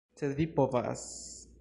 Sed vi povas...